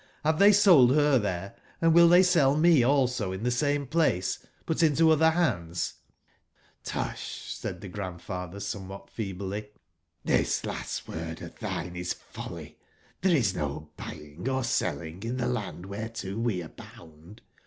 Have they sold her there, and will they sell me also in the same place, but intoother hands ?'*^^usht"6aidthe6randfather somewhat feebly, '* this last word of thine is folly ; there is no buying or selling in the land whereto we are bound.